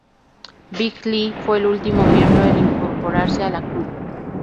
Big L fue el último miembro en incorporarse a la crew.